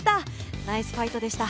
ナイスファイトでした。